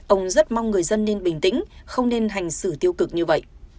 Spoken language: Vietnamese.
ông rất mong người dân nên bình tĩnh không nên hành xử tiêu cực như vậy